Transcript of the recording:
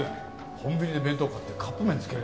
コンビニで弁当買ってカップ麺付けられるな。